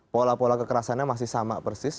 pola pola kekerasannya masih sama persis